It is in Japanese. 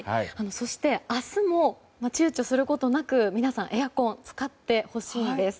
そして、明日も躊躇することなく皆さん、エアコンを使ってほしいんです。